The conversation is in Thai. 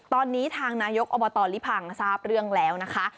ตอนนี้ทางนายกอบตลิพังทราบเรื่องแล้วนะคะ